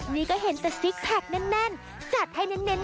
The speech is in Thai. นี่ก็เห็นแต่ซิกแพคแน่น